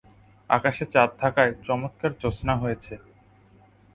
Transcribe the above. আকাশে চাঁদ থাকায় চমৎকার জ্যোৎস্না হয়েছে।